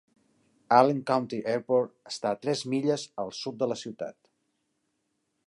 Allen County Airport està a tres milles al sud de la ciutat.